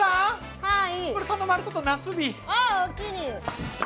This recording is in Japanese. はい。